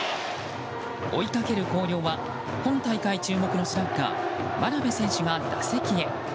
追いかける広陵は今大会注目のスラッガー真鍋選手が打席へ。